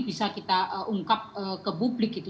bisa kita ungkap ke publik gitu